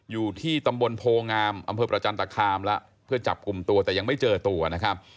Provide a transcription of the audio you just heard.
อยู่ที่ตำบลโพงามอำเภอประจันตคามแล้วเพื่อจับกลุ่มตัวแต่ยังไม่เจอตัวนะครับ